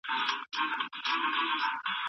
تاسو د چاپیریال په پاک ساتلو بوخت یاست.